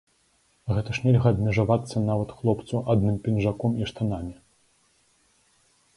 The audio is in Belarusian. Гэта ж нельга абмежавацца, нават хлопцу, адным пінжаком і штанамі.